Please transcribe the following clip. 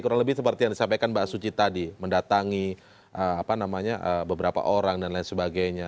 kurang lebih seperti yang disampaikan mbak suci tadi mendatangi beberapa orang dan lain sebagainya